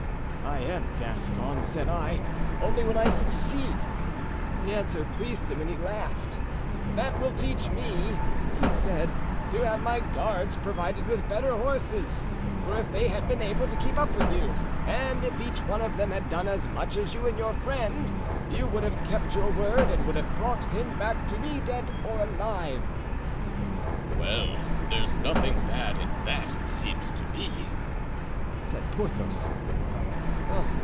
"'I am a Gascon,' said I, 'only when I succeed.' The answer pleased him and he laughed. "'That will teach me,' he said, 'to have my guards provided with better horses; for if they had been able to keep up with you and if each one of them had done as much as you and your friend, you would have kept your word and would have brought him back to me dead or alive.'" "Well, there's nothing bad in that, it seems to me," said Porthos.